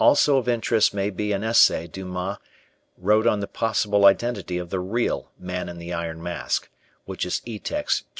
Also of interest may be an essay Dumas wrote on the possible identity of the real Man in the Iron Mask, which is Etext 2751.